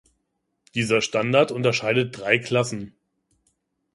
Dieser Standard unterscheidet drei Klassen.